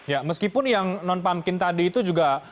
ya meskipun yang non pamkin tadi itu juga